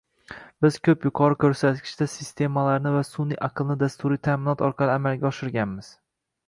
Biz koʻp yuqori koʻrsatkichli sistemalarni va sunʼiy aqlni dasturiy taʼminot orqali amalga oshirganmiz